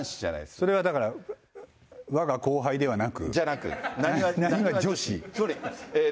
それはだから、わが後輩ではなく？